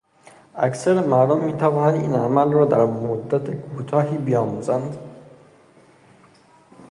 اکثر مردم میتوانند این عمل را در مدت کوتاهی بیاموزند.